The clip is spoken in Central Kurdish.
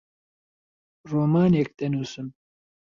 ڕۆمانێک دەنووسم.